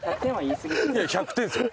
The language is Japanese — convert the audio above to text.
いや１００点ですよ。